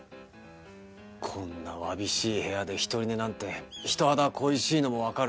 こんなわびしい部屋で独り寝なんて人肌恋しいのもわかる。